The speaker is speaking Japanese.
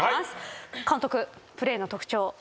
監督プレーの特徴。